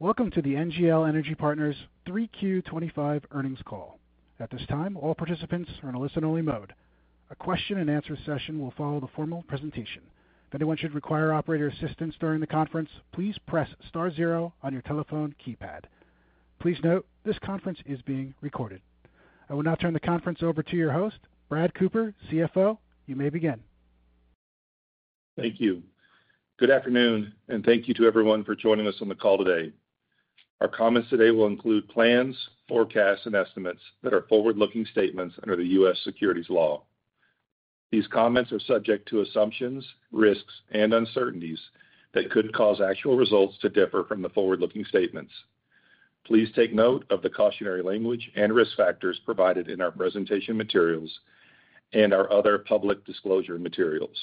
Welcome to the NGL Energy Partners 3Q25 earnings call. At this time, all participants are in a listen-only mode. A question-and-answer session will follow the formal presentation. If anyone should require operator assistance during the conference, please press star zero on your telephone keypad. Please note this conference is being recorded. I will now turn the conference over to your host, Brad Cooper, CFO. You may begin. Thank you. Good afternoon, and thank you to everyone for joining us on the call today. Our comments today will include plans, forecasts, and estimates that are forward-looking statements under the U.S. securities law. These comments are subject to assumptions, risks, and uncertainties that could cause actual results to differ from the forward-looking statements. Please take note of the cautionary language and risk factors provided in our presentation materials and our other public disclosure materials.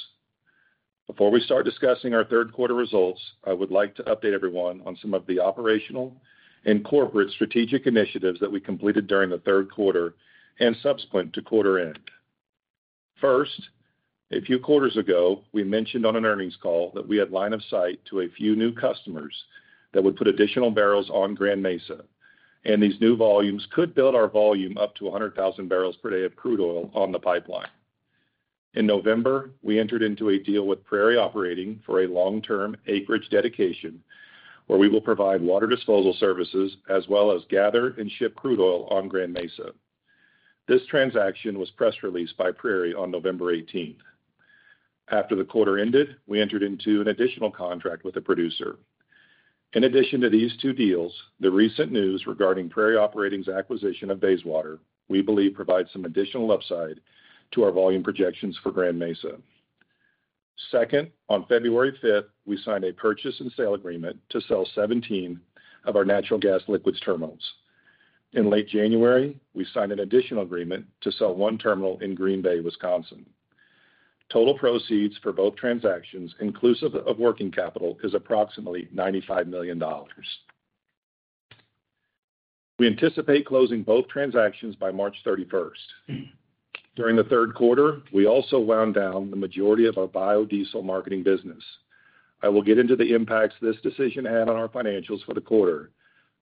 Before we start discussing our third-quarter results, I would like to update everyone on some of the operational and corporate strategic initiatives that we completed during the Q3 and subsequent to quarter end. First, a few quarters ago, we mentioned on an earnings call that we had line of sight to a few new customers that would put additional barrels on Grand Mesa, and these new volumes could build our volume up to 100,000 barrels per day of crude oil on the pipeline. In November, we entered into a deal with Prairie Operating for a long-term acreage dedication, where we will provide water disposal services as well as gather and ship crude oil on Grand Mesa. This transaction was press released by Prairie on November 18th. After the quarter ended, we entered into an additional contract with the producer. In addition to these two deals, the recent news regarding Prairie Operating's acquisition of Bayswater we believe provides some additional upside to our volume projections for Grand Mesa. Second, on February 5th, we signed a purchase and sale agreement to sell 17 of our natural gas liquids terminals. In late January, we signed an additional agreement to sell one terminal in Green Bay, Wisconsin. Total proceeds for both transactions, inclusive of working capital, is approximately $95 million. We anticipate closing both transactions by March 31st. During the Q3, we also wound down the majority of our biodiesel marketing business. I will get into the impacts this decision had on our financials for the quarter,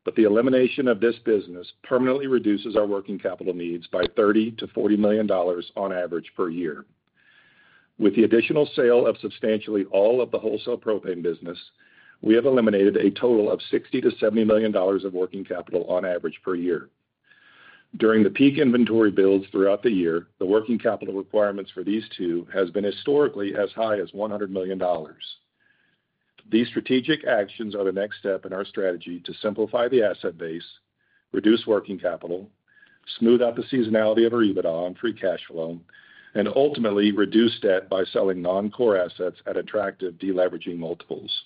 but the elimination of this business permanently reduces our working capital needs by $30 million-$40 million on average per year. With the additional sale of substantially all of the wholesale propane business, we have eliminated a total of $60 million-$70 million of working capital on average per year. During the peak inventory builds throughout the year, the working capital requirements for these two have been historically as high as $100 million. These strategic actions are the next step in our strategy to simplify the asset base, reduce working capital, smooth out the seasonality of our EBITDA and free cash flow, and ultimately reduce debt by selling non-core assets at attractive deleveraging multiples.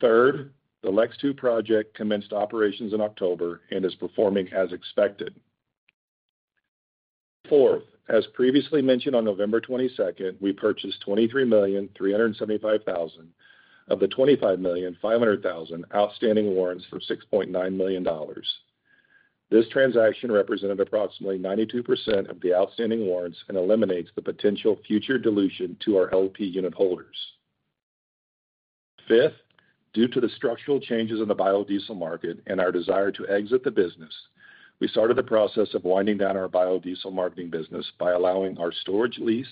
Third, the LEX II project commenced operations in October and is performing as expected. Fourth, as previously mentioned on November 22nd, we purchased $23,375,000 of the $25,500,000 outstanding warrants for $6.9 million. This transaction represented approximately 92% of the outstanding warrants and eliminates the potential future dilution to our LP unit holders. Fifth, due to the structural changes in the biodiesel market and our desire to exit the business, we started the process of winding down our biodiesel marketing business by allowing our storage lease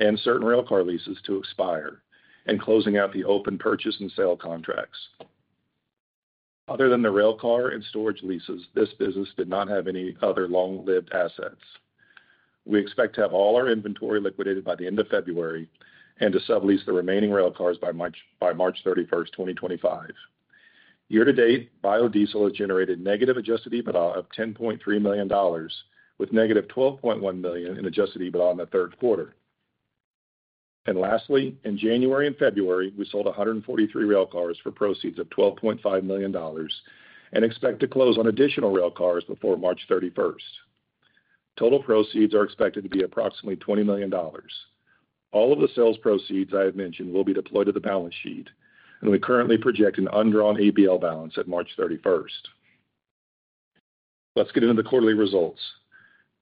and certain railcar leases to expire and closing out the open purchase and sale contracts. Other than the railcar and storage leases, this business did not have any other long-lived assets. We expect to have all our inventory liquidated by the end of February and to sublease the remaining railcars by March 31st, 2025. Year to date, biodiesel has generated negative Adjusted EBITDA of $10.3 million, with negative $12.1 million in Adjusted EBITDA in the Q3. And lastly, in January and February, we sold 143 railcars for proceeds of $12.5 million and expect to close on additional railcars before March 31st. Total proceeds are expected to be approximately $20 million. All of the sales proceeds I have mentioned will be deployed to the balance sheet, and we currently project an undrawn ABL balance at March 31st. Let's get into the quarterly results.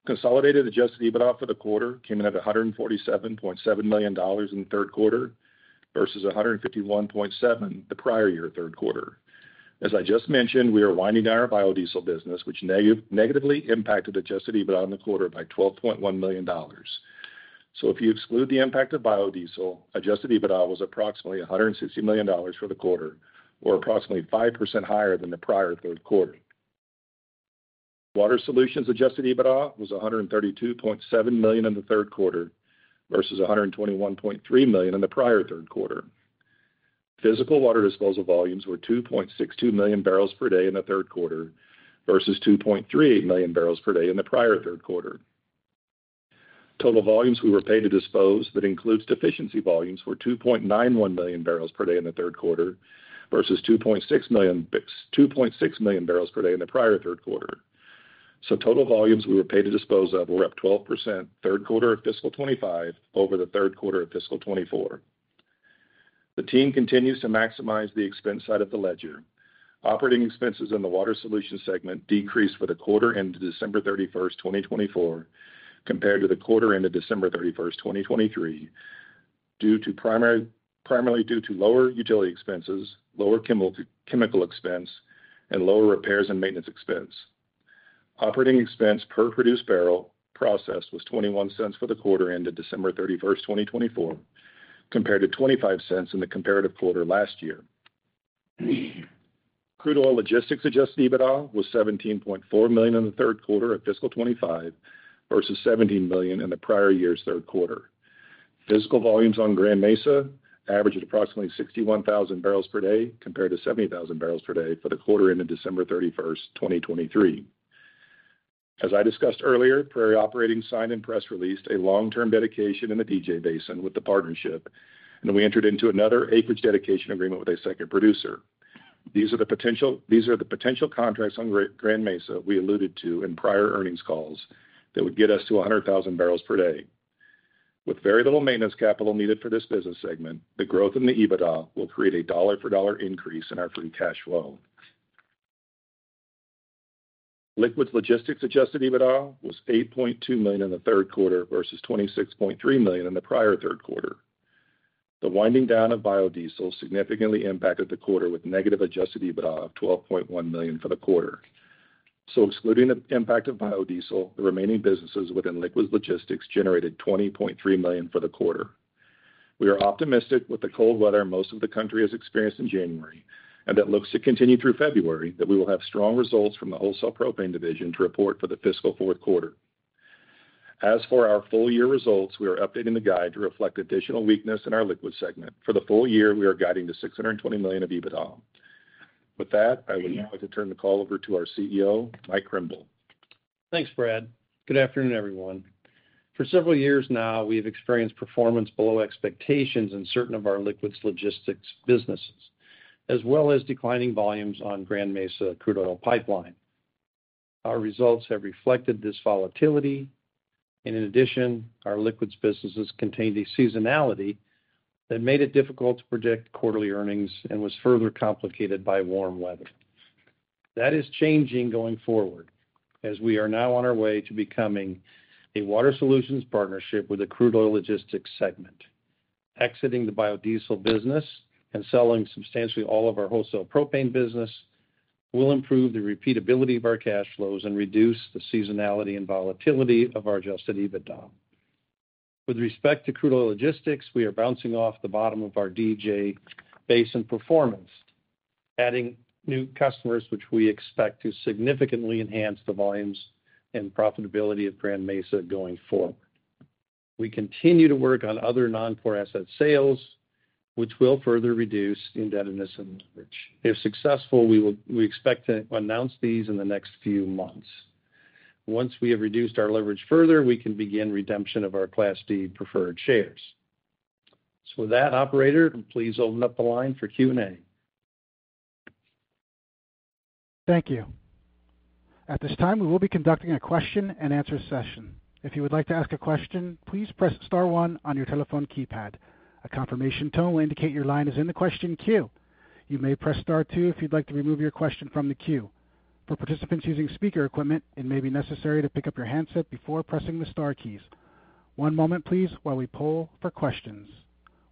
Consolidated Adjusted EBITDA for the quarter came in at $147.7 million in the Q3 versus $151.7 million the prior year Q3. As I just mentioned, we are winding down our biodiesel business, which negatively impacted Adjusted EBITDA in the quarter by $12.1 million. So if you exclude the impact of biodiesel, Adjusted EBITDA was approximately $160 million for the quarter, or approximately 5% higher than the prior Q3. Water Solutions Adjusted EBITDA was $132.7 million in the Q3 versus $121.3 million in the prior Q3. Physical water disposal volumes were 2.62 million barrels per day in the Q3 versus 2.38 million barrels per day in the prior Q3. Total volumes we were paid to dispose that includes deficiency volumes were 2.91 million barrels per day in the Q3 versus 2.6 million barrels per day in the prior Q3. So total volumes we were paid to dispose of were up 12% Q3 of fiscal 2025 over the Q3 of fiscal 2024. The team continues to maximize the expense side of the ledger. Operating expenses in the Water Solutions segment decreased for the quarter ended December 31st, 2024, compared to the quarter ended December 31st, 2023, primarily due to lower utility expenses, lower chemical expense, and lower repairs and maintenance expense. Operating expense per produced barrel processed was $0.21 for the quarter ended December 31st, 2024, compared to $0.25 in the comparative quarter last year. Crude Oil Logistics adjusted EBITDA was $17.4 million in the Q3 of fiscal 2025 versus $17 million in the prior year's Q3. Physical volumes on Grand Mesa averaged approximately 61,000 barrels per day compared to 70,000 barrels per day for the quarter ended December 31st, 2023. As I discussed earlier, Prairie Operating signed and press released a long-term dedication in the DJ Basin with the partnership, and we entered into another acreage dedication agreement with a second producer. These are the potential contracts on Grand Mesa we alluded to in prior earnings calls that would get us to 100,000 barrels per day. With very little maintenance capital needed for this business segment, the growth in the EBITDA will create a dollar-for-dollar increase in our free cash flow. Liquids Logistics adjusted EBITDA was $8.2 million in the Q3 versus $26.3 million in the prior Q3. The winding down of biodiesel significantly impacted the quarter with negative Adjusted EBITDA of $12.1 million for the quarter, so excluding the impact of biodiesel, the remaining businesses within Liquids Logistics generated $20.3 million for the quarter. We are optimistic with the cold weather most of the country has experienced in January and that looks to continue through February that we will have strong results from the wholesale propane division to report for the fiscal fourth quarter. As for our full-year results, we are updating the guide to reflect additional weakness in our Liquids segment. For the full year, we are guiding to $620 million of EBITDA. With that, I would now like to turn the call over to our CEO, Mike Krimbill. Thanks, Brad. Good afternoon, everyone. For several years now, we have experienced performance below expectations in certain of our liquids logistics businesses, as well as declining volumes on Grand Mesa crude oil pipeline. Our results have reflected this volatility, and in addition, our liquids businesses contained a seasonality that made it difficult to predict quarterly earnings and was further complicated by warm weather. That is changing going forward as we are now on our way to becoming a water solutions partnership with the crude oil logistics segment. Exiting the biodiesel business and selling substantially all of our wholesale propane business will improve the repeatability of our cash flows and reduce the seasonality and volatility of our Adjusted EBITDA. With respect to crude oil logistics, we are bouncing off the bottom of our DJ Basin performance, adding new customers, which we expect to significantly enhance the volumes and profitability of Grand Mesa going forward. We continue to work on other non-core asset sales, which will further reduce indebtedness and leverage. If successful, we expect to announce these in the next few months. Once we have reduced our leverage further, we can begin redemption of our Class D preferred shares. So with that, Operator, please open up the line for Q&A. Thank you. At this time, we will be conducting a question-and-answer session. If you would like to ask a question, please press star one on your telephone keypad. A confirmation tone will indicate your line is in the question queue. You may press star two if you'd like to remove your question from the queue. For participants using speaker equipment, it may be necessary to pick up your handset before pressing the star keys. One moment, please, while we poll for questions.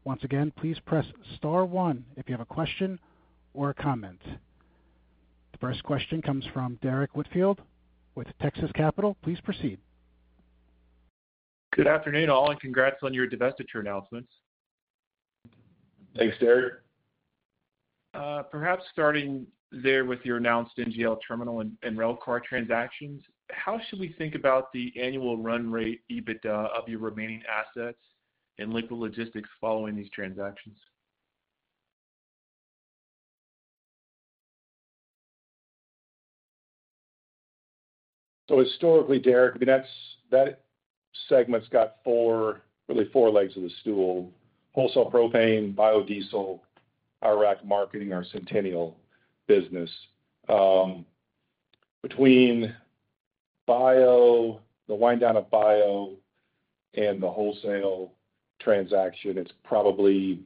Once again, please press star one if you have a question or a comment. The first question comes from Derek Whitfield with Texas Capital. Please proceed. Good afternoon, all, and congrats on your divestiture announcements. Thanks, Derek. Perhaps starting there with your announced NGL terminal and railcar transactions, how should we think about the annual run rate EBITDA of your remaining assets in Liquids Logistics following these transactions? Historically, Derek, I mean, that segment's got really four legs of the stool: wholesale propane, biodiesel, rack marketing, our Centennial business. Between the wind down of bio and the wholesale transaction, it's probably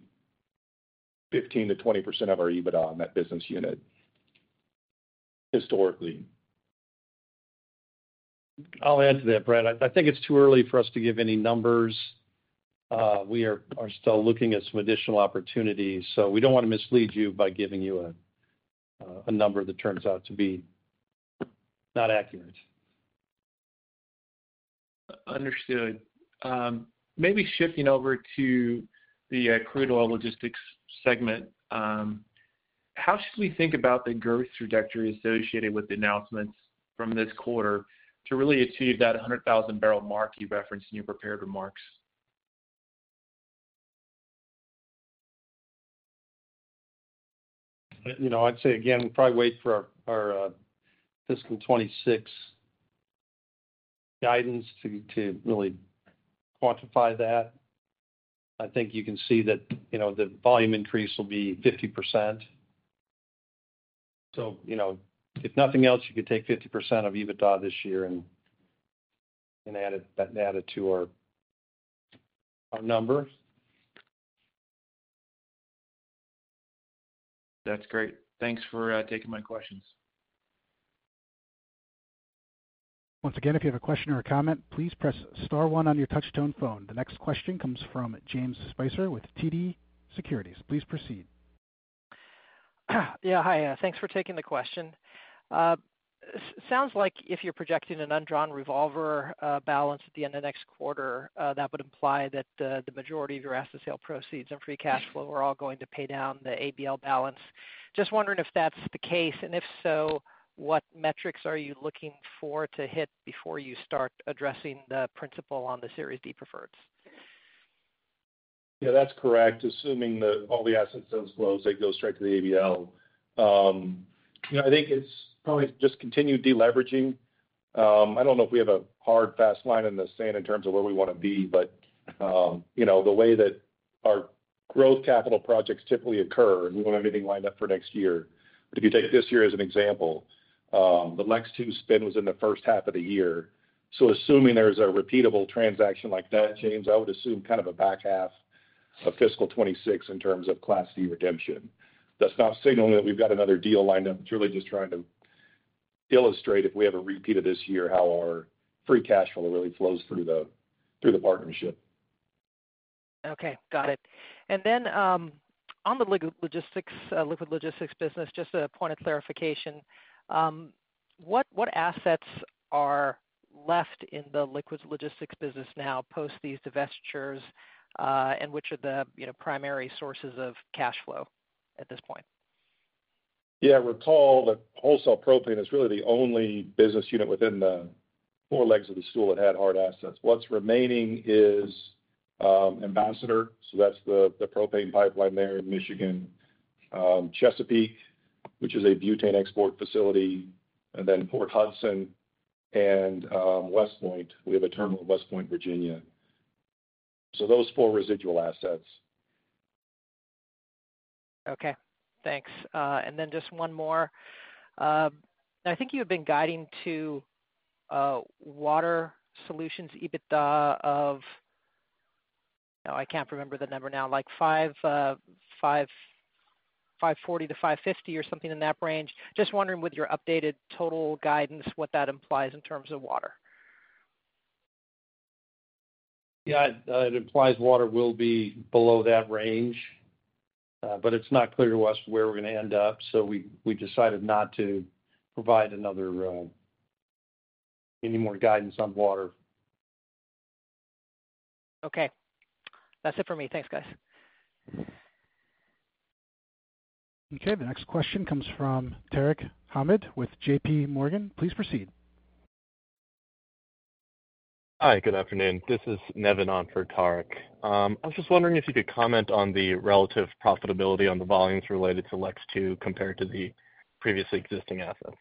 15%-20% of our EBITDA on that business unit historically. I'll add to that, Brad. I think it's too early for us to give any numbers. We are still looking at some additional opportunities, so we don't want to mislead you by giving you a number that turns out to be not accurate. Understood. Maybe shifting over to the crude oil logistics segment, how should we think about the growth trajectory associated with the announcements from this quarter to really achieve that 100,000-barrel mark you referenced in your prepared remarks? I'd say, again, we probably wait for our fiscal 2026 guidance to really quantify that. I think you can see that the volume increase will be 50%. So if nothing else, you could take 50% of EBITDA this year and add it to our number. That's great. Thanks for taking my questions. Once again, if you have a question or a comment, please press star one on your touchstone phone. The next question comes from James Spicer with TD Securities. Please proceed. Yeah. Hi. Thanks for taking the question. Sounds like if you're projecting an undrawn revolver balance at the end of next quarter, that would imply that the majority of your asset sale proceeds and free cash flow are all going to pay down the ABL balance. Just wondering if that's the case. If so, what metrics are you looking for to hit before you start addressing the principal on the Series D preferreds? Yeah, that's correct. Assuming that all the asset sales flows, they go straight to the ABL. I think it's probably just continued deleveraging. I don't know if we have a hard, fast line in the sand in terms of where we want to be, but the way that our growth capital projects typically occur, we want everything lined up for next year. But if you take this year as an example, the LEX II spin was in the first half of the year. So assuming there's a repeatable transaction like that, James, I would assume kind of a back half of fiscal 2026 in terms of Class D redemption. That's not signaling that we've got another deal lined up. It's really just trying to illustrate if we have a repeat of this year, how our free cash flow really flows through the partnership. Okay. Got it. And then on the liquids logistics business, just a point of clarification. What assets are left in the liquids logistics business now post these divestitures, and which are the primary sources of cash flow at this point? Yeah. Recall that wholesale propane is really the only business unit within the four legs of the stool that had hard assets. What's remaining is Ambassador. So that's the propane pipeline there in Michigan. Chesapeake, which is a butane export facility, and then Port Hudson and West Point. We have a terminal in West Point, Virginia. So those four residual assets. Okay. Thanks. And then just one more. I think you had been guiding to Water Solutions EBITDA of, I can't remember the number now, like 540-550 or something in that range. Just wondering with your updated total guidance, what that implies in terms of water. Yeah. It implies water will be below that range, but it's not clear to us where we're going to end up, so we decided not to provide any more guidance on water. Okay. That's it for me. Thanks, guys. Okay. The next question comes from Tarik Hamid with J.P. Morgan. Please proceed. Hi. Good afternoon. This is Nevin on for Tarik. I was just wondering if you could comment on the relative profitability on the volumes related to LEX II compared to the previously existing assets.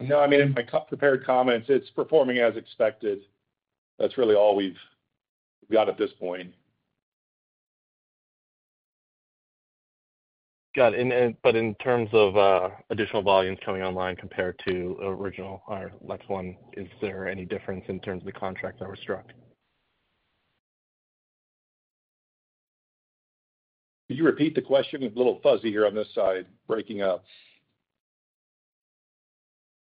No. I mean, in my prepared comments, it's performing as expected. That's really all we've got at this point. Got it. But in terms of additional volumes coming online compared to original, our LEX I, is there any difference in terms of the contracts that were struck? Could you repeat the question? It's a little fuzzy here on this side, breaking up.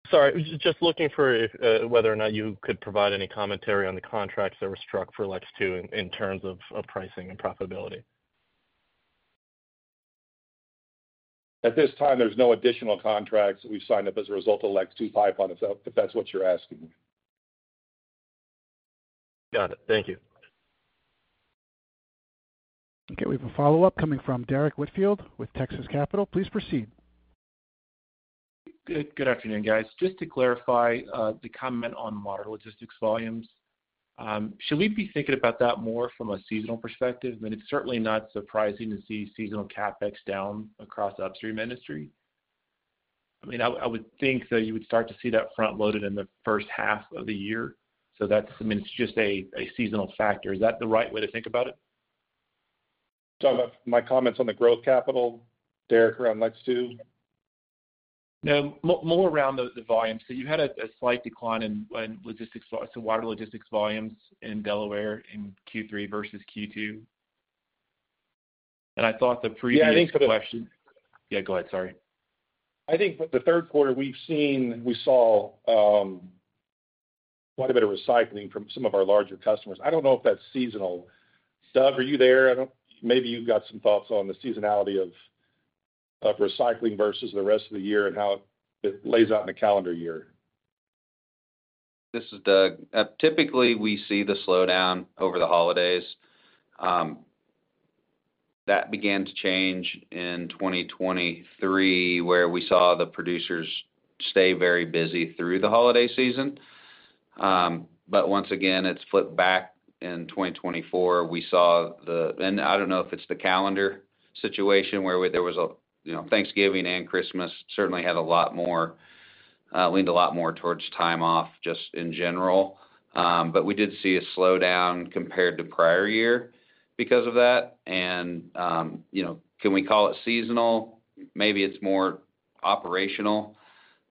Sorry. Just looking for whether or not you could provide any commentary on the contracts that were struck for LEX II in terms of pricing and profitability. At this time, there's no additional contracts that we've signed up as a result of LEX II pipeline, if that's what you're asking. Got it. Thank you. Okay. We have a follow-up coming from Derek Whitfield with Texas Capital. Please proceed. Good afternoon, guys. Just to clarify the comment on water logistics volumes, should we be thinking about that more from a seasonal perspective? I mean, it's certainly not surprising to see seasonal CapEx down across upstream industry. I mean, I would think that you would start to see that front loaded in the first half of the year. So I mean, it's just a seasonal factor. Is that the right way to think about it? Talking about my comments on the growth capital, Derek, around LEX II? No. More around the volumes. So you had a slight decline in Water Solutions volumes in the Delaware Basin in Q3 versus Q2. And I thought the previous question. Yeah. I think so. Yeah. Go ahead. Sorry. I think the Q3, we saw quite a bit of recycling from some of our larger customers. I don't know if that's seasonal. Doug, are you there? Maybe you've got some thoughts on the seasonality of recycling versus the rest of the year and how it lays out in the calendar year. This is Doug. Typically, we see the slowdown over the holidays. That began to change in 2023, where we saw the producers stay very busy through the holiday season. But once again, it's flipped back in 2024. And I don't know if it's the calendar situation where there was a Thanksgiving and Christmas certainly had a lot more leaned a lot more towards time off just in general. But we did see a slowdown compared to prior year because of that. And can we call it seasonal? Maybe it's more operational.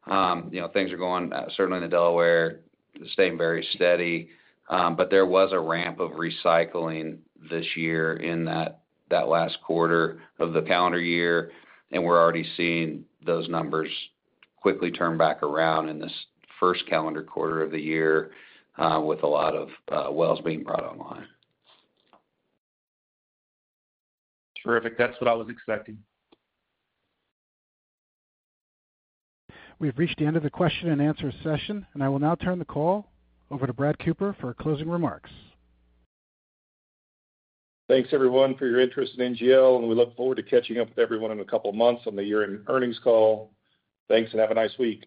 Things are going certainly in Delaware, staying very steady. But there was a ramp of recycling this year in that last quarter of the calendar year, and we're already seeing those numbers quickly turn back around in this first calendar quarter of the year with a lot of wells being brought online. Terrific. That's what I was expecting. We've reached the end of the question-and-answer session, and I will now turn the call over to Brad Cooper for closing remarks. Thanks, everyone, for your interest in NGL, and we look forward to catching up with everyone in a couple of months on the year-end earnings call. Thanks, and have a nice week.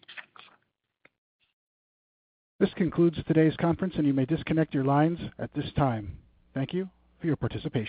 This concludes today's conference, and you may disconnect your lines at this time. Thank you for your participation.